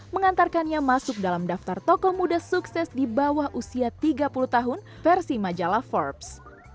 mengantarkannya masuk dalam daftar tokoh muda sukses di bawah usia tiga puluh tahun versi majalah forbes